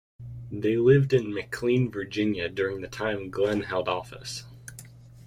They lived in McLean Virginia during the time Glenn held office.